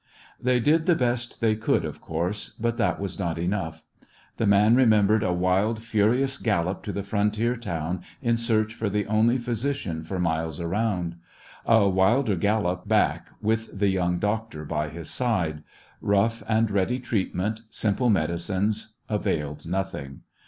They did the best they could, of course, but that was not much. The man remembered a wild, furious gal lop to the frontier town in search for A Chmtmas When the only physician for miles around; a wilder gallop back with the young doctor by his side. Rough and ready treatment, simple medicines, availed nothing.